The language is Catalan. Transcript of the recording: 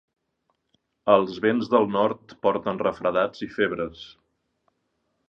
Els vents del nord porten refredats i febres.